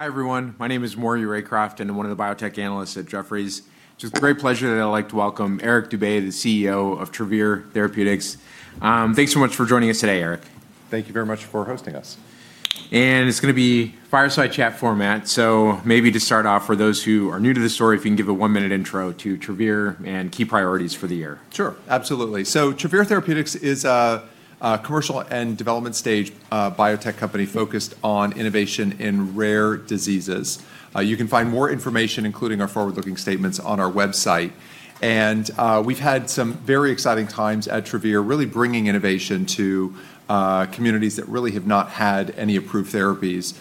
Hi, everyone. My name is Maury Raycroft, I'm one of the biotech analysts at Jefferies. It's with great pleasure that I'd like to welcome Eric Dube, the CEO of Travere Therapeutics. Thanks so much for joining us today, Eric. Thank you very much for hosting us. It's going to be fireside chat format, so maybe to start off, for those who are new to this story, if you can give a one-minute intro to Travere and key priorities for the year. Sure. Absolutely. Travere Therapeutics is a commercial-end development stage biotech company focused on innovation in rare diseases. You can find more information, including our forward-looking statements on our website. We've had some very exciting times at Travere, really bringing innovation to communities that really have not had any approved therapies.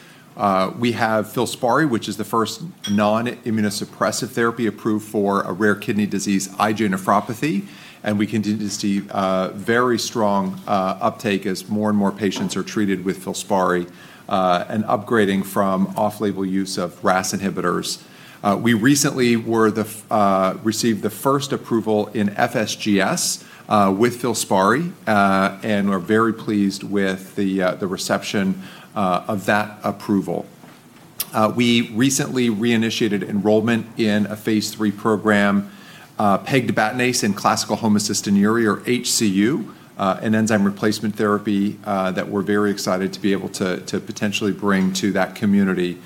We have FILSPARI, which is the first non-immunosuppressive therapy approved for a rare kidney disease, IgA nephropathy, and we continue to see very strong uptake as more and more patients are treated with FILSPARI, and upgrading from off-label use of RAS inhibitors. We recently received the first approval in FSGS with FILSPARI and are very pleased with the reception of that approval. We recently reinitiated enrollment in a phase III program, pegtibatinase in classical homocystinuria or HCU, an enzyme replacement therapy that we're very excited to be able to potentially bring to that community.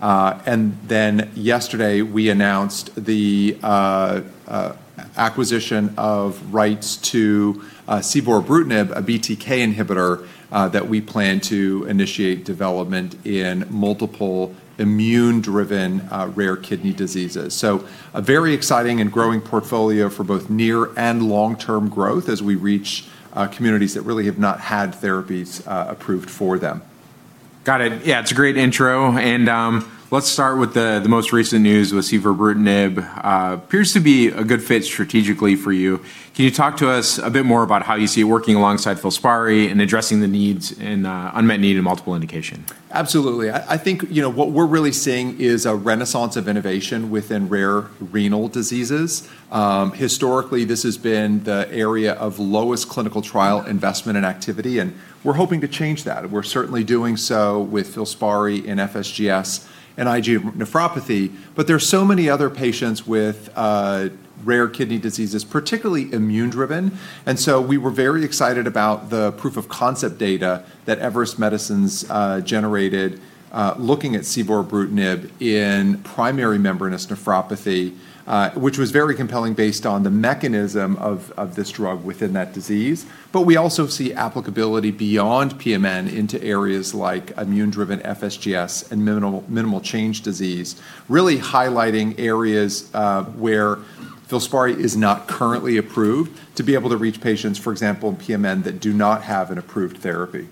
Yesterday, we announced the acquisition of rights to civorebrutinib, a BTK inhibitor that we plan to initiate development in multiple immune-driven rare kidney diseases. A very exciting and growing portfolio for both near and long-term growth as we reach communities that really have not had therapies approved for them. Got it. Yeah, it's a great intro. Let's start with the most recent news with civorebrutinib. Appears to be a good fit strategically for you. Can you talk to us a bit more about how you see it working alongside FILSPARI in addressing the unmet need in multiple indication? Absolutely. I think what we're really seeing is a renaissance of innovation within rare renal diseases. Historically, this has been the area of lowest clinical trial investment and activity, and we're hoping to change that. We're certainly doing so with FILSPARI in FSGS and IgA nephropathy, but there are so many other patients with rare kidney diseases, particularly immune-driven. We were very excited about the proof of concept data that Everest Medicines generated looking at civorebrutinib in primary membranous nephropathy, which was very compelling based on the mechanism of this drug within that disease. We also see applicability beyond PMN into areas like immune-driven FSGS and minimal change disease, really highlighting areas where FILSPARI is not currently approved to be able to reach patients, for example, in PMN that do not have an approved therapy.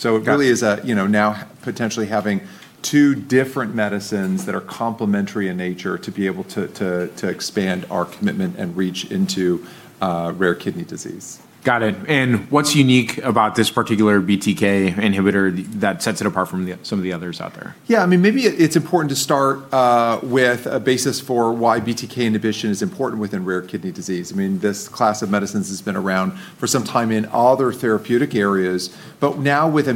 Got it. It really is now potentially having two different medicines that are complementary in nature to be able to expand our commitment and reach into rare kidney disease. Got it. What's unique about this particular BTK inhibitor that sets it apart from some of the others out there? Yeah, maybe it's important to start with a basis for why BTK inhibition is important within rare kidney disease. This class of medicines has been around for some time in other therapeutic areas, but now with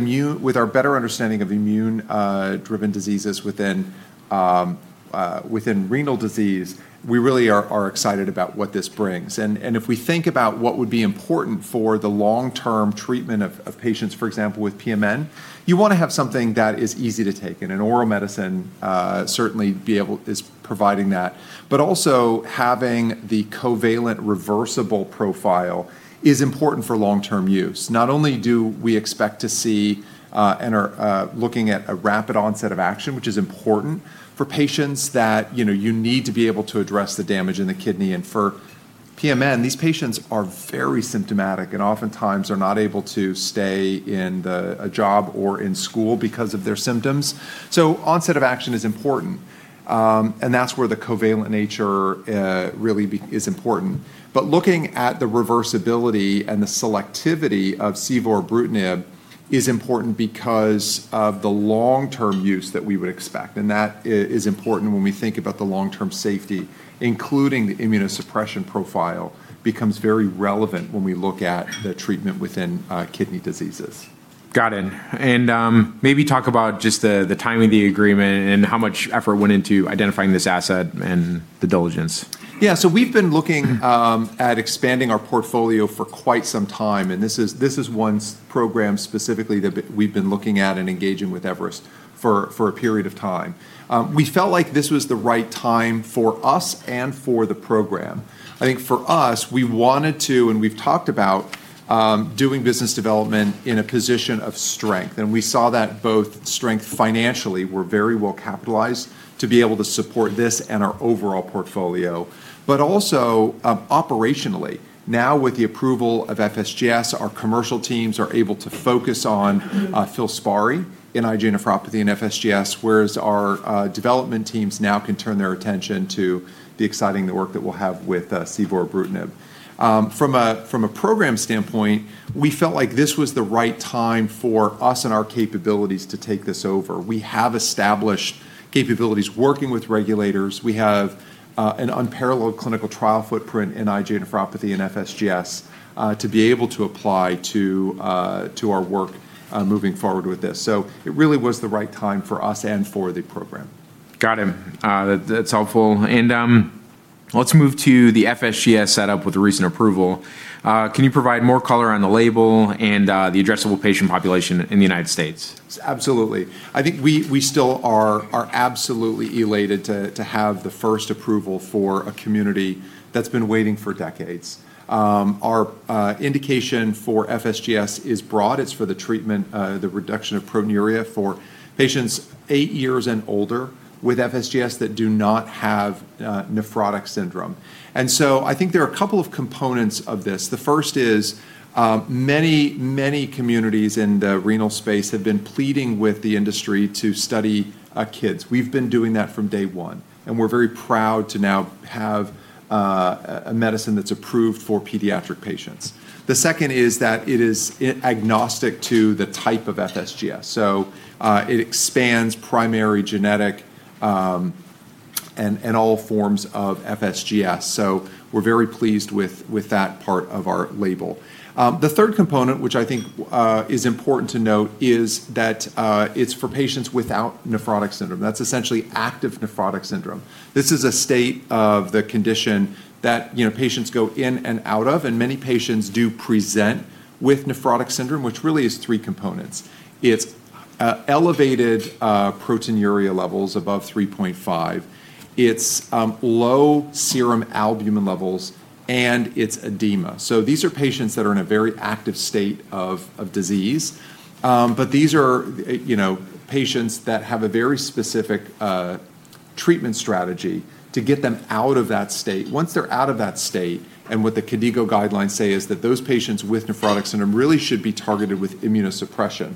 our better understanding of immune-driven diseases within renal disease, we really are excited about what this brings. If we think about what would be important for the long-term treatment of patients, for example, with PMN, you want to have something that is easy to take in. An oral medicine certainly is providing that. Also having the covalent reversible profile is important for long-term use. Not only do we expect to see and are looking at a rapid onset of action, which is important for patients that you need to be able to address the damage in the kidney. For PMN, these patients are very symptomatic and oftentimes are not able to stay in a job or in school because of their symptoms. Onset of action is important, and that's where the covalent nature really is important. Looking at the reversibility and the selectivity of civorebrutinib is important because of the long-term use that we would expect, and that is important when we think about the long-term safety, including the immunosuppression profile, becomes very relevant when we look at the treatment within kidney diseases. Got it. Maybe talk about just the timing of the agreement and how much effort went into identifying this asset and the diligence? We've been looking at expanding our portfolio for quite some time, and this is one program specifically that we've been looking at and engaging with Everest for a period of time. We felt like this was the right time for us and for the program. I think for us, we wanted to, and we've talked about doing business development in a position of strength, and we saw that both strength financially, we're very well capitalized to be able to support this and our overall portfolio, but also operationally. Now with the approval of FSGS, our commercial teams are able to focus on FILSPARI in IgA nephropathy and FSGS, whereas our development teams now can turn their attention to the exciting work that we'll have with civorebrutinib. From a program standpoint, we felt like this was the right time for us and our capabilities to take this over. We have established capabilities working with regulators. We have an unparalleled clinical trial footprint in IgA nephropathy and FSGS to be able to apply to our work moving forward with this. It really was the right time for us and for the program. Got it. That's helpful. Let's move to the FSGS setup with the recent approval. Can you provide more color on the label and the addressable patient population in the U.S.? Absolutely. I think we still are absolutely elated to have the first approval for a community that's been waiting for decades. Our indication for FSGS is broad. It's for the treatment, the reduction of proteinuria for patients eight years and older with FSGS that do not have nephrotic syndrome. I think there are a couple of components of this. The first is, many communities in the renal space have been pleading with the industry to study kids. We've been doing that from day one. We're very proud to now have a medicine that's approved for pediatric patients. The second is that it is agnostic to the type of FSGS, so it expands primary genetic and all forms of FSGS. We're very pleased with that part of our label. The third component, which I think is important to note, is that it's for patients without nephrotic syndrome. That's essentially active nephrotic syndrome. This is a state of the condition that patients go in and out of, and many patients do present with nephrotic syndrome, which really is three components. It's elevated proteinuria levels above 3.5, it's low serum albumin levels, and it's edema. These are patients that are in a very active state of disease. These are patients that have a very specific treatment strategy to get them out of that state. Once they're out of that state, what the KDIGO guidelines say is that those patients with nephrotic syndrome really should be targeted with immunosuppression.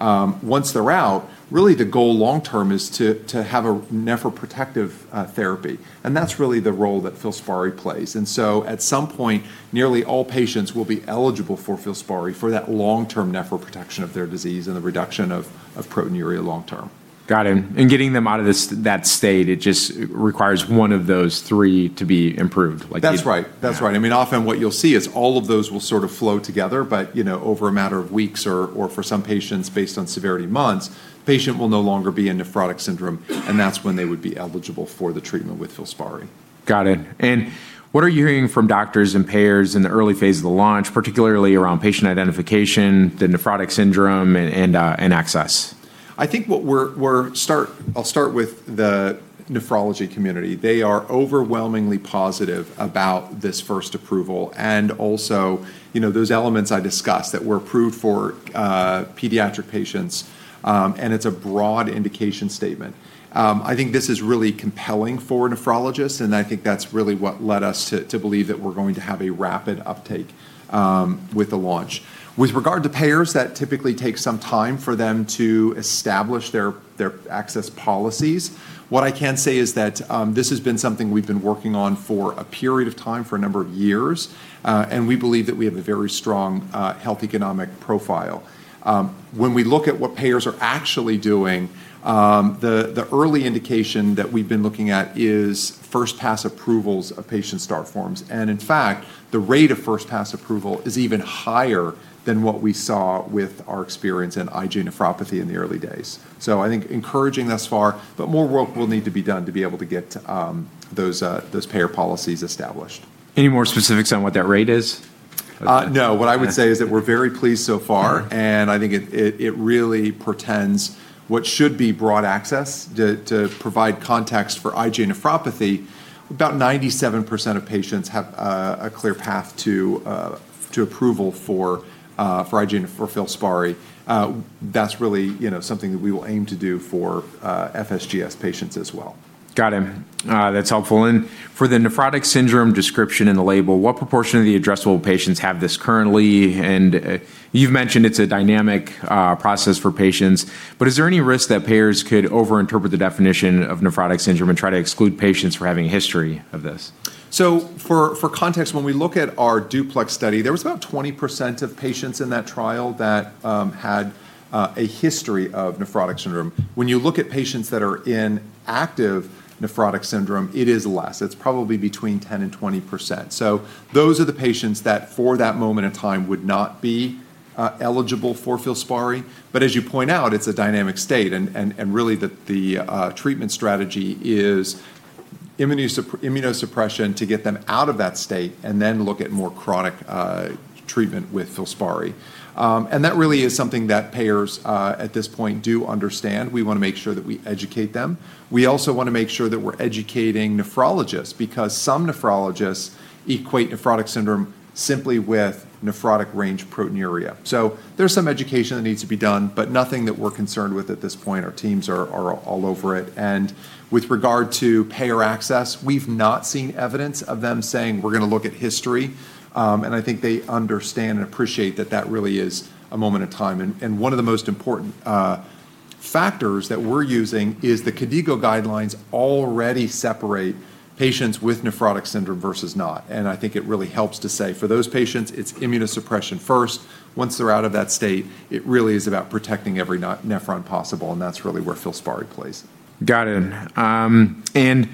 Once they're out, really the goal long term is to have a nephroprotective therapy, and that's really the role that FILSPARI plays. At some point, nearly all patients will be eligible for FILSPARI for that long-term nephroprotection of their disease and the reduction of proteinuria long term. Got it. Getting them out of that state, it just requires one of those three to be improved. That's right. Yeah. Often what you'll see is all of those will sort of flow together, but over a matter of weeks or, for some patients, based on severity, months, patient will no longer be in nephrotic syndrome, and that's when they would be eligible for the treatment with FILSPARI. Got it. What are you hearing from doctors and payers in the early phase of the launch, particularly around patient identification, the nephrotic syndrome, and access? I'll start with the nephrology community. They are overwhelmingly positive about this first approval and also those elements I discussed that were approved for pediatric patients, and it's a broad indication statement. I think this is really compelling for nephrologists, and I think that's really what led us to believe that we're going to have a rapid uptake with the launch. With regard to payers, that typically takes some time for them to establish their access policies. What I can say is that this has been something we've been working on for a period of time, for a number of years, and we believe that we have a very strong health economic profile. When we look at what payers are actually doing, the early indication that we've been looking at is first-pass approvals of Patient Start Forms. In fact, the rate of first-pass approval is even higher than what we saw with our experience in IgA nephropathy in the early days. I think encouraging thus far, but more work will need to be done to be able to get those payer policies established. Any more specifics on what that rate is? No. What I would say is that we're very pleased so far, and I think it really portends what should be broad access. To provide context for IgA nephropathy, about 97% of patients have a clear path to approval for FILSPARI. That's really something that we will aim to do for FSGS patients as well. Got it. That's helpful. For the nephrotic syndrome description in the label, what proportion of the addressable patients have this currently? You've mentioned it's a dynamic process for patients, but is there any risk that payers could overinterpret the definition of nephrotic syndrome and try to exclude patients for having a history of this? For context, when we look at our DUPLEX study, there was about 20% of patients in that trial that had a history of nephrotic syndrome. When you look at patients that are in active nephrotic syndrome, it is less. It's probably between 10% and 20%. Those are the patients that, for that moment in time, would not be eligible for FILSPARI. As you point out, it's a dynamic state, and really the treatment strategy is immunosuppression to get them out of that state and then look at more chronic treatment with FILSPARI. That really is something that payers at this point do understand. We want to make sure that we educate them. We also want to make sure that we're educating nephrologists because some nephrologists equate nephrotic syndrome simply with nephrotic range proteinuria. There's some education that needs to be done, but nothing that we're concerned with at this point. Our teams are all over it. With regard to payer access, we've not seen evidence of them saying we're going to look at history, and I think they understand and appreciate that that really is a moment in time. One of the most important factors that we're using is the KDIGO guidelines already separate patients with nephrotic syndrome versus not. I think it really helps to say, for those patients, it's immunosuppression first. Once they're out of that state, it really is about protecting every nephron possible, and that's really where FILSPARI plays. Got it.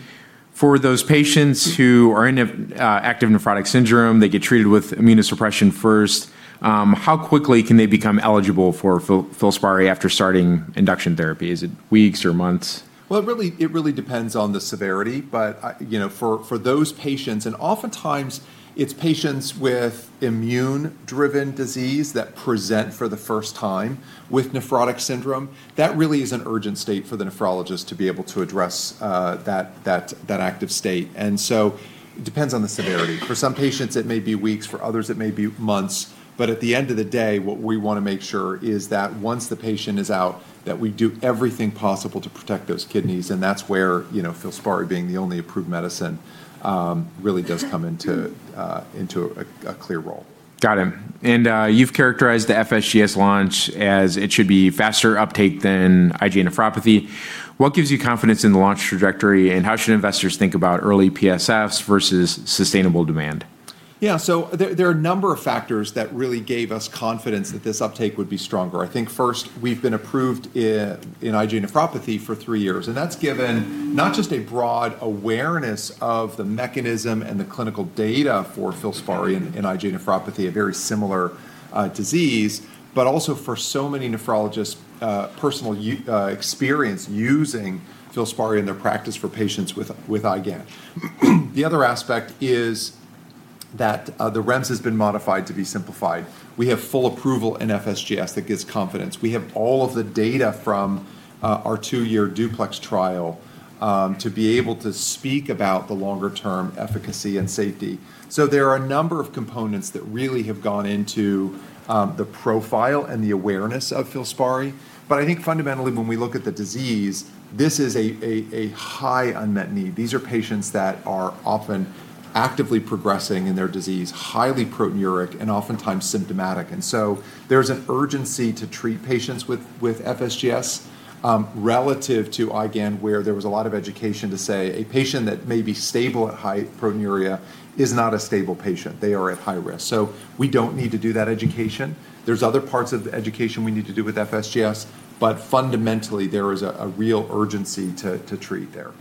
For those patients who are in active nephrotic syndrome, they get treated with immunosuppression first, how quickly can they become eligible for FILSPARI after starting induction therapy? Is it weeks or months? Well, it really depends on the severity. For those patients, and oftentimes it's patients with immune-driven disease that present for the first time with nephrotic syndrome, that really is an urgent state for the nephrologist to be able to address that active state. It depends on the severity. For some patients, it may be weeks, for others, it may be months. At the end of the day, what we want to make sure is that once the patient is out, that we do everything possible to protect those kidneys, and that's where FILSPARI being the only approved medicine really does come into a clear role. Got it. You've characterized the FSGS launch as it should be faster uptake than IgA nephropathy. What gives you confidence in the launch trajectory, and how should investors think about early PSFs versus sustainable demand? Yeah. There are a number of factors that really gave us confidence that this uptake would be stronger. I think first, we've been approved in IgA nephropathy for three years, and that's given not just a broad awareness of the mechanism and the clinical data for FILSPARI in IgA nephropathy, a very similar disease, but also for so many nephrologists' personal experience using FILSPARI in their practice for patients with IgA. The other aspect is that the REMS has been modified to be simplified. We have full approval in FSGS. That gives confidence. We have all of the data from our two-year DUPLEX trial to be able to speak about the longer-term efficacy and safety. There are a number of components that really have gone into the profile and the awareness of FILSPARI. I think fundamentally when we look at the disease, this is a high unmet need. These are patients that are often actively progressing in their disease, highly proteinuric, and oftentimes symptomatic. There's an urgency to treat patients with FSGS relative to IgA, where there was a lot of education to say a patient that may be stable at high proteinuria is not a stable patient. They are at high risk. We don't need to do that education. There's other parts of the education we need to do with FSGS, but fundamentally there is a real urgency to treat there.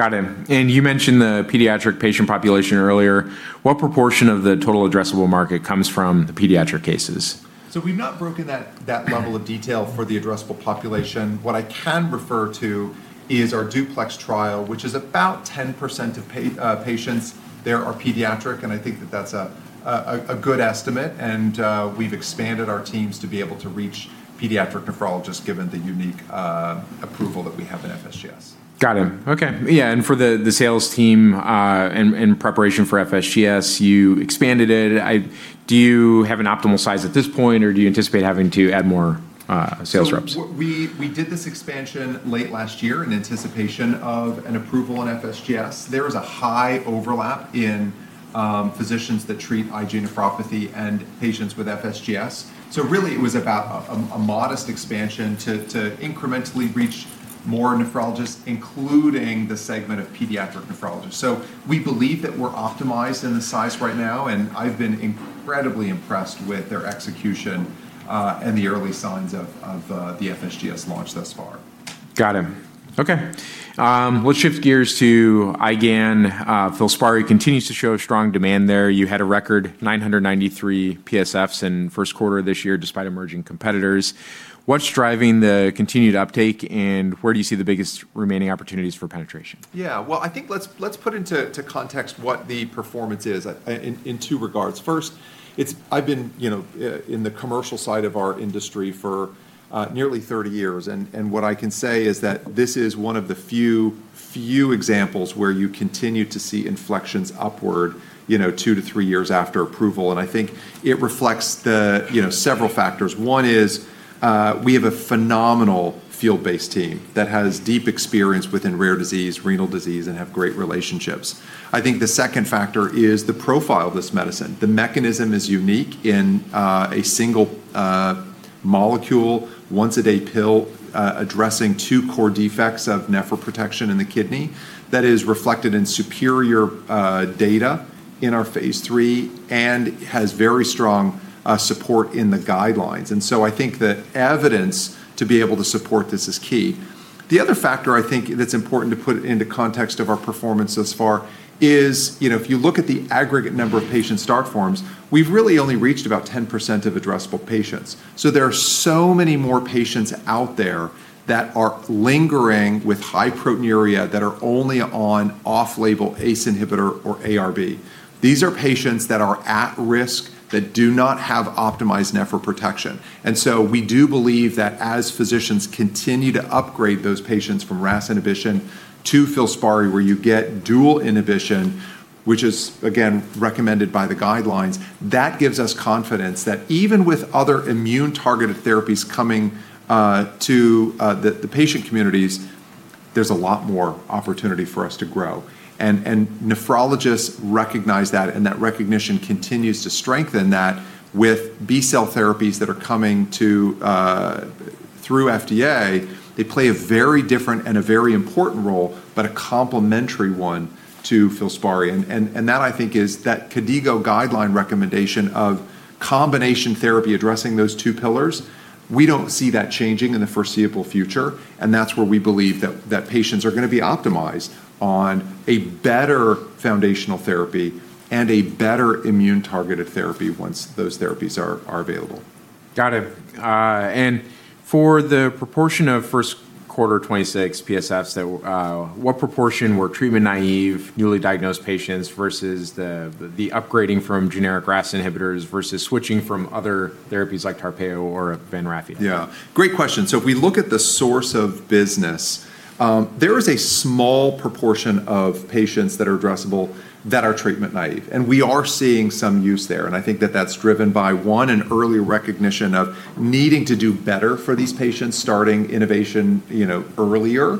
Got it. You mentioned the pediatric patient population earlier. What proportion of the total addressable market comes from the pediatric cases? We've not broken that level of detail for the addressable population. What I can refer to is our DUPLEX trial, which is about 10% of patients there are pediatric, and I think that that's a good estimate, and we've expanded our teams to be able to reach pediatric nephrologists given the unique approval that we have in FSGS. Got it. Okay. Yeah, for the sales team in preparation for FSGS, you expanded it. Do you have an optimal size at this point, or do you anticipate having to add more sales reps? We did this expansion late last year in anticipation of an approval in FSGS. There is a high overlap in physicians that treat IgA nephropathy and patients with FSGS. Really it was about a modest expansion to incrementally reach more nephrologists, including the segment of pediatric nephrologists. We believe that we're optimized in the size right now, and I've been incredibly impressed with their execution, and the early signs of the FSGS launch thus far. Got it. Okay. Let's shift gears to IgA. FILSPARI continues to show strong demand there. You had a record 993 PSFs in first quarter this year despite emerging competitors. What's driving the continued uptake, and where do you see the biggest remaining opportunities for penetration? Yeah. Well, I think let's put into context what the performance is in two regards. First, I've been in the commercial side of our industry for nearly 30 years, and what I can say is that this is one of the few examples where you continue to see inflections upward two to three years after approval. I think it reflects several factors. One is we have a phenomenal field-based team that has deep experience within rare disease, renal disease, and have great relationships. I think the second factor is the profile of this medicine. The mechanism is unique in a single molecule, once a day pill, addressing two core defects of nephroprotection in the kidney that is reflected in superior data in our phase III and has very strong support in the guidelines. I think the evidence to be able to support this is key. The other factor I think that's important to put into context of our performance thus far is if you look at the aggregate number of Patient Start Forms, we've really only reached about 10% of addressable patients. There are so many more patients out there that are lingering with high proteinuria that are only on off-label ACE inhibitor or ARB. These are patients that are at risk that do not have optimized nephroprotection. We do believe that as physicians continue to upgrade those patients from RAS inhibition to FILSPARI, where you get dual inhibition, which is again recommended by the guidelines, that gives us confidence that even with other immune-targeted therapies coming to the patient communities, there's a lot more opportunity for us to grow. Nephrologists recognize that, and that recognition continues to strengthen that with B-cell therapies that are coming through FDA. They play a very different and a very important role, but a complementary one to FILSPARI. That I think is that KDIGO guideline recommendation of combination therapy addressing those two pillars, we don't see that changing in the foreseeable future, and that's where we believe that patients are going to be optimized on a better foundational therapy and a better immune-targeted therapy once those therapies are available. Got it. For the proportion of first quarter 2026 PSFs, what proportion were treatment-naive, newly diagnosed patients versus the upgrading from generic RAS inhibitors versus switching from other therapies like TARPEYO or Vanrafia? Great question. If we look at the source of business, there is a small proportion of patients that are addressable that are treatment-naive. We are seeing some use there, and I think that that's driven by, one, an early recognition of needing to do better for these patients, starting innovation earlier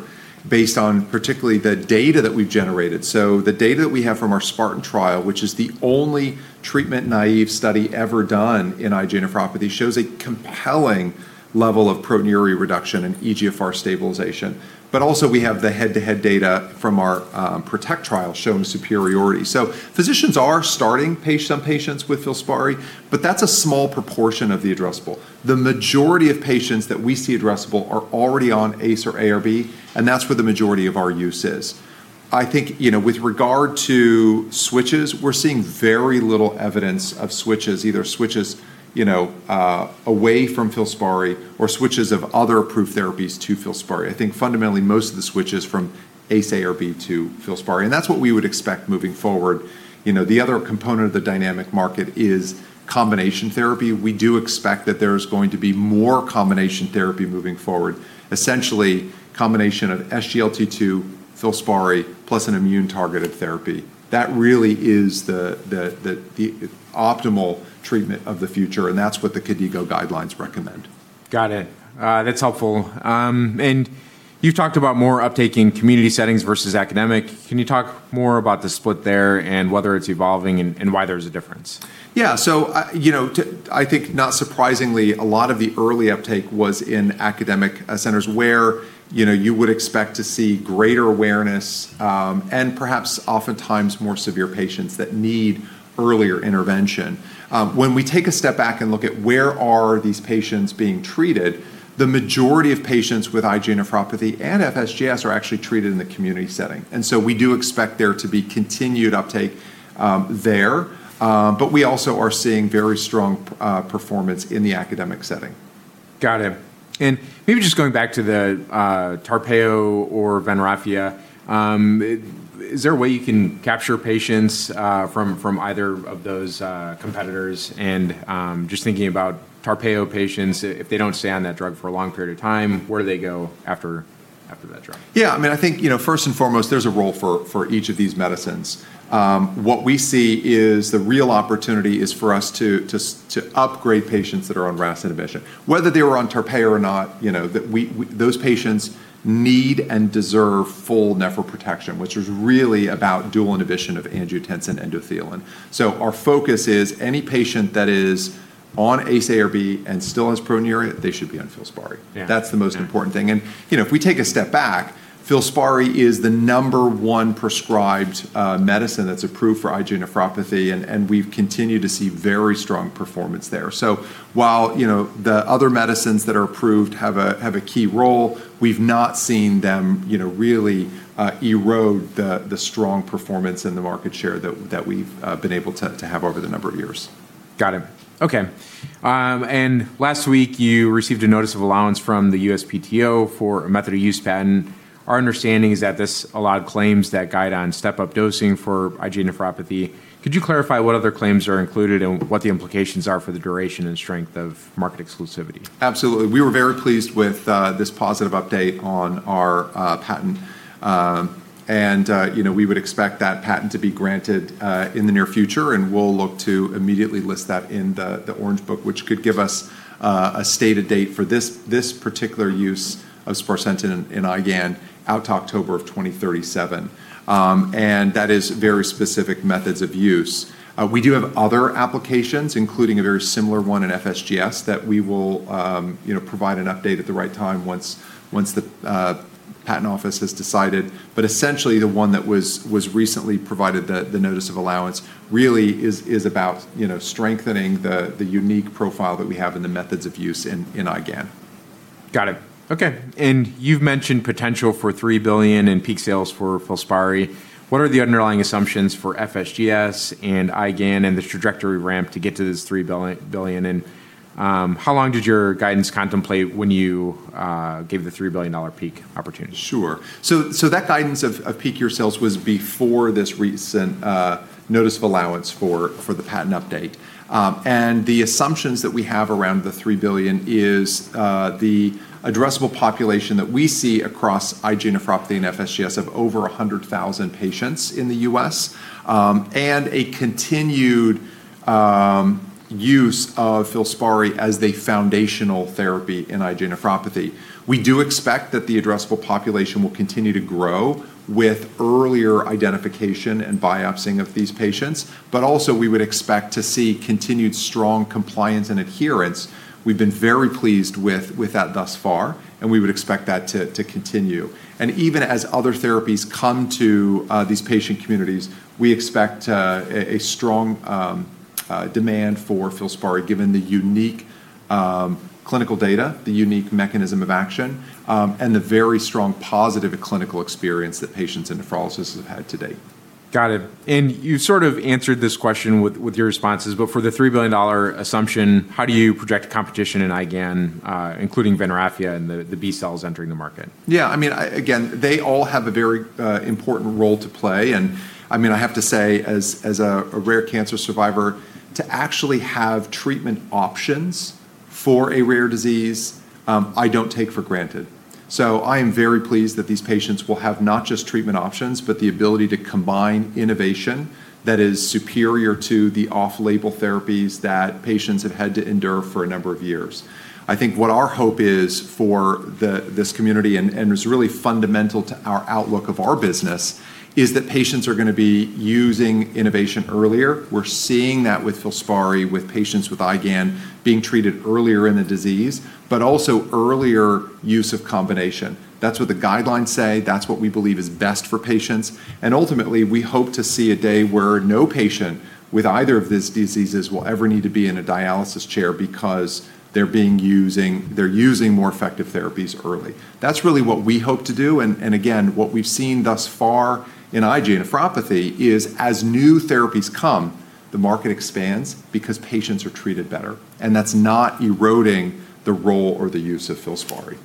based on particularly the data that we've generated. The data that we from our SPARTAN trial, which is the only treatment-naive study ever done in IgA nephropathy, shows a compelling level of proteinuria reduction and eGFR stabilization. Also, we have the head-to-head data from our PROTECT trial showing superiority. Physicians are starting some patients with FILSPARI, but that's a small proportion of the addressable. The majority of patients that we see addressable are already on ACE or ARB, and that's where the majority of our use is. I think, with regard to switches, we're seeing very little evidence of switches, either switches away from FILSPARI or switches of other approved therapies to FILSPARI. I think fundamentally, most of the switch is from ACE/ARB to FILSPARI, and that's what we would expect moving forward. The other component of the dynamic market is combination therapy. We do expect that there's going to be more combination therapy moving forward. Essentially, combination of SGLT2, FILSPARI, plus an immune-targeted therapy. That really is the optimal treatment of the future, and that's what the KDIGO guidelines recommend. Got it. That's helpful. You've talked about more uptake in community settings versus academic. Can you talk more about the split there and whether it's evolving and why there's a difference? Yeah. I think not surprisingly, a lot of the early uptake was in academic centers where you would expect to see greater awareness, and perhaps oftentimes more severe patients that need earlier intervention. When we take a step back and look at where are these patients being treated, the majority of patients with IgA nephropathy and FSGS are actually treated in the community setting. We do expect there to be continued uptake there. We also are seeing very strong performance in the academic setting. Got it. Maybe just going back to the TARPEYO or Vanrafia, is there a way you can capture patients from either of those competitors? Just thinking about TARPEYO patients, if they don't stay on that drug for a long period of time, where do they go after that drug? I think, first and foremost, there's a role for each of these medicines. What we see is the real opportunity is for us to upgrade patients that are on RAS inhibition. Whether they were on TARPEYO or not, those patients need and deserve full nephroprotection, which is really about dual inhibition of angiotensin endothelin. Our focus is any patient that is on ACE/ARB and still has proteinuria, they should be on FILSPARI. Yeah. That's the most important thing. If we take a step back, FILSPARI is the number one prescribed medicine that's approved for IgA nephropathy, and we've continued to see very strong performance there. While the other medicines that are approved have a key role, we've not seen them really erode the strong performance in the market share that we've been able to have over the number of years. Got it. Okay. Last week, you received a notice of allowance from the USPTO for a method of use patent. Our understanding is that this allowed claims that guide on step-up dosing for IgA nephropathy. Could you clarify what other claims are included and what the implications are for the duration and strength of market exclusivity? Absolutely. We were very pleased with this positive update on our patent. We would expect that patent to be granted in the near future, and we'll look to immediately list that in the Orange Book, which could give us a stated date for this particular use of sparsentan in IgAN out to October of 2037. That is very specific methods of use. We do have other applications, including a very similar one in FSGS that we will provide an update at the right time once the patent office has decided. Essentially, the one that was recently provided, the notice of allowance really is about strengthening the unique profile that we have in the methods of use in IgAN. Got it. Okay. You've mentioned potential for $3 billion in peak sales for FILSPARI. What are the underlying assumptions for FSGS and IgAN and the trajectory ramp to get to this $3 billion, and how long did your guidance contemplate when you gave the $3 billion peak opportunity? Sure. That guidance of peak year sales was before this recent notice of allowance for the patent update. The assumptions that we have around the $3 billion is the addressable population that we see across IgA nephropathy and FSGS of over 100,000 patients in the U.S., and a continued use of FILSPARI as the foundational therapy in IgA nephropathy. We do expect that the addressable population will continue to grow with earlier identification and biopsying of these patients. Also, we would expect to see continued strong compliance and adherence. We've been very pleased with that thus far, and we would expect that to continue. Even as other therapies come to these patient communities, we expect a strong demand for FILSPARI, given the unique clinical data, the unique mechanism of action, and the very strong positive clinical experience that patients in nephrosis have had to date. Got it. You sort of answered this question with your responses, but for the $3 billion assumption, how do you project competition in IgAN, including Venrafia and the B cells entering the market? Yeah. Again, they all have a very important role to play. I have to say, as a rare cancer survivor, to actually have treatment options for a rare disease, I don't take for granted. I am very pleased that these patients will have not just treatment options, but the ability to combine innovation that is superior to the off-label therapies that patients have had to endure for a number of years. I think what our hope is for this community, and what's really fundamental to our outlook of our business, is that patients are going to be using innovation earlier. We're seeing that with FILSPARI, with patients with IgAN being treated earlier in the disease, but also earlier use of combination. That's what the guidelines say. That's what we believe is best for patients. Ultimately, we hope to see a day where no patient with either of these diseases will ever need to be in a dialysis chair because they're using more effective therapies early. That's really what we hope to do. Again, what we've seen thus far in IgA nephropathy is as new therapies come, the market expands because patients are treated better. That's not eroding the role or the use of FILSPARI.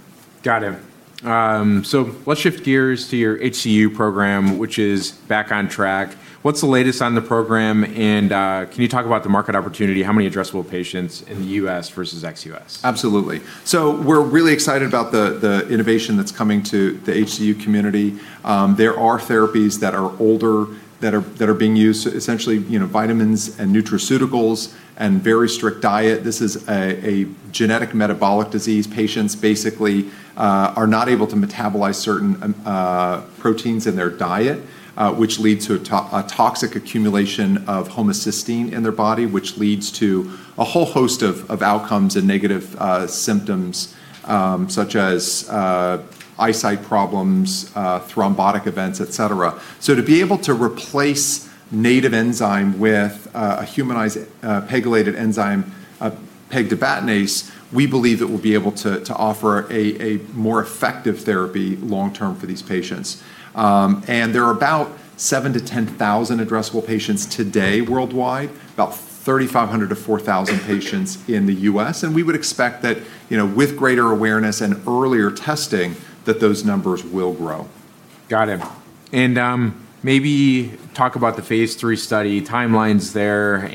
Got it. Let's shift gears to your HCU program, which is back on track. What's the latest on the program, and can you talk about the market opportunity? How many addressable patients in the U.S. versus ex-U.S.? Absolutely. We're really excited about the innovation that's coming to the HCU community. There are therapies that are older that are being used, essentially, vitamins and nutraceuticals and very strict diet. This is a genetic metabolic disease. Patients basically are not able to metabolize certain proteins in their diet, which leads to a toxic accumulation of homocysteine in their body, which leads to a whole host of outcomes and negative symptoms, such as eyesight problems, thrombotic events, et cetera. To be able to replace native enzyme with a humanized pegylated enzyme, pegtibatinase, we believe that we'll be able to offer a more effective therapy long-term for these patients. There are about 7,000 to 10,000 addressable patients today worldwide, about 3,500 to 4,000 patients in the U.S. We would expect that with greater awareness and earlier testing, that those numbers will grow. Got it. Maybe talk about the phase III study timelines there,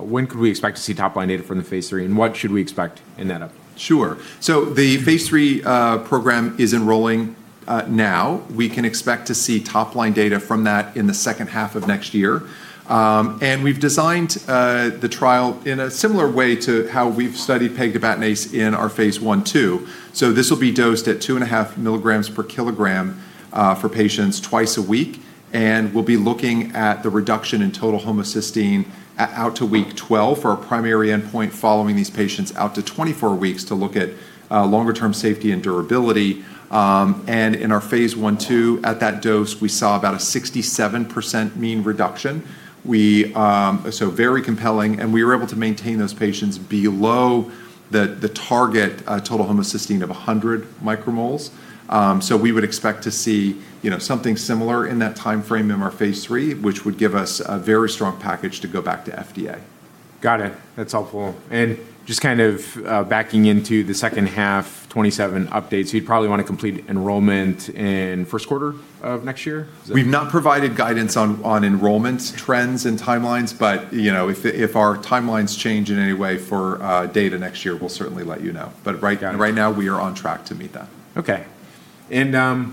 when could we expect to see top-line data from the phase III, what should we expect in that update? Sure. The phase III program is enrolling now. We can expect to see top-line data from that in the second half of next year. We've designed the trial in a similar way to how we've studied pegtibatinase in our phase I/II. This will be dosed at 2.5 mg per kg for patients twice a week, and we'll be looking at the reduction in total homocysteine out to week 12 for our primary endpoint following these patients out to 24 weeks to look at longer-term safety and durability. In our phase I/II, at that dose, we saw about a 67% mean reduction. Very compelling, and we were able to maintain those patients below the target total homocysteine of 100 micromoles. We would expect to see something similar in that timeframe in our phase III, which would give us a very strong package to go back to FDA. Got it. That's helpful. Just kind of backing into the second half 2027 updates, you'd probably want to complete enrollment in first quarter of next year? Is that correct? We've not provided guidance on enrollment trends and timelines, but if our timelines change in any way for data next year, we'll certainly let you know. Got it. Right now, we are on track to meet that. Okay.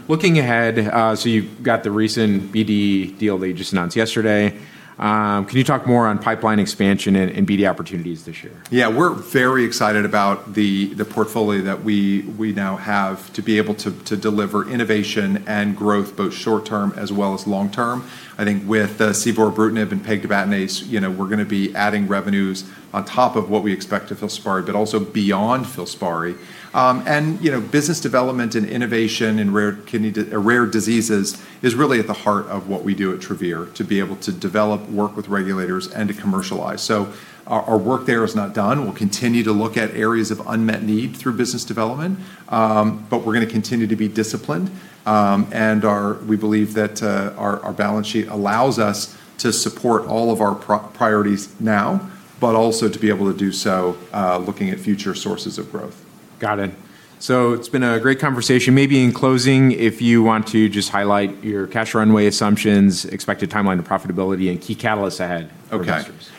Looking ahead, you've got the recent BD deal that you just announced yesterday. Can you talk more on pipeline expansion and BD opportunities this year? Yeah. We're very excited about the portfolio that we now have to be able to deliver innovation and growth, both short-term as well as long-term. I think with civorebrutinib and pegtibatinase, we're going to be adding revenues on top of what we expect of FILSPARI, but also beyond FILSPARI. Business development and innovation in rare diseases is really at the heart of what we do at Travere Therapeutics, to be able to develop work with regulators and to commercialize. Our work there is not done. We'll continue to look at areas of unmet need through business development, but we're going to continue to be disciplined, and we believe that our balance sheet allows us to support all of our priorities now, but also to be able to do so looking at future sources of growth. Got it. It's been a great conversation. Maybe in closing, if you want to just highlight your cash runway assumptions, expected timeline to profitability, and key catalysts ahead for investors.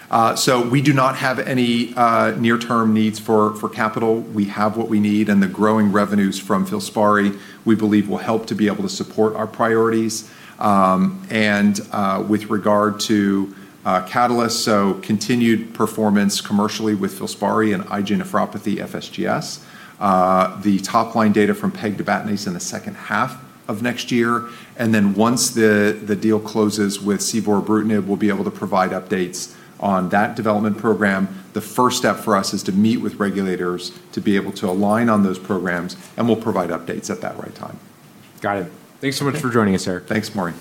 We do not have any near-term needs for capital. We have what we need, and the growing revenues from FILSPARI we believe will help to be able to support our priorities. With regard to catalysts, so continued performance commercially with FILSPARI and IgA nephropathy FSGS. The top-line data from pegtibatinase in the second half of next year, and then once the deal closes with civorebrutinib, we'll be able to provide updates on that development program. The first step for us is to meet with regulators to be able to align on those programs, and we'll provide updates at that right time. Got it. Thanks so much for joining us, Eric. Thanks, Maury.